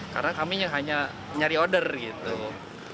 karena kami hanya nyari order gitu